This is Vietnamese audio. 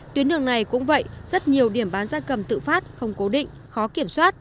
tuyến đường này cũng vậy rất nhiều điểm bán gia cầm tự phát không cố định khó kiểm soát